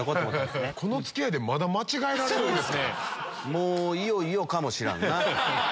もういよいよかもしらんな。